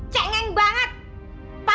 kasian banget coba